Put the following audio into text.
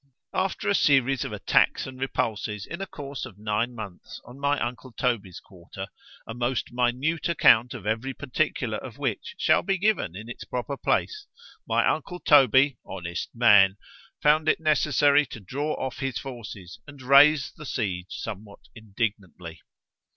After a series of attacks and repulses in a course of nine months on my uncle Toby's quarter, a most minute account of every particular of which shall be given in its proper place, my uncle Toby, honest man! found it necessary to draw off his forces and raise the siege somewhat indignantly.